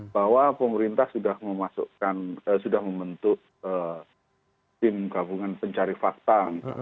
bahwa pemerintah sudah membentuk tim gabungan pencari fakta